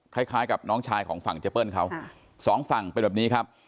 คล้ายกับน้องชายของฝั่งเจเปิ้ลเขาสองฝั่งเป็นแบบนี้ครับ